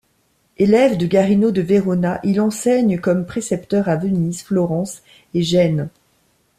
Élève de Guarino da Verona, il enseigne comme précepteur à Venise, Florence et Gênes.